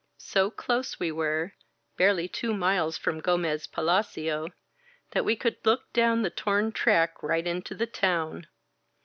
So close we were, barely two miles from Gomez Falacio, that we could look down the torn track right into the town.